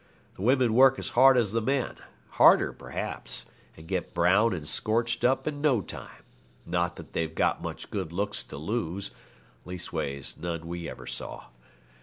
The women work as hard as the men, harder perhaps, and get brown and scorched up in no time not that they've got much good looks to lose; leastways none we ever saw.